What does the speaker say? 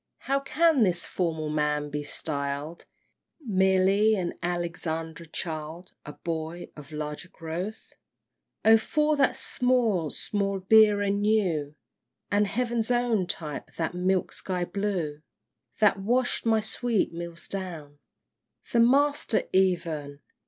How can this formal man be styled Merely an Alexandrine child, A boy of larger growth? XII. Oh for that small, small beer anew! And (heaven's own type) that mild sky blue That wash'd my sweet meals down; The master even!